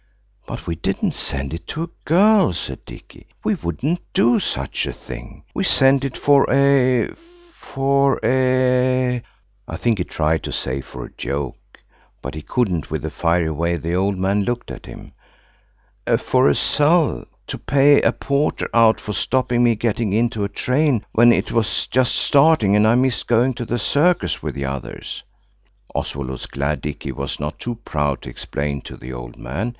"But we didn't send it to a girl," said Dicky. "We wouldn't do such a thing. We sent it for a–for a–" I think he tried to say for a joke, but he couldn't with the fiery way the old man looked at him–"for a sell, to pay a porter out for stopping me getting into a train when it was just starting, and I missed going to the Circus with the others." Oswald was glad Dicky was not too proud to explain to the old man.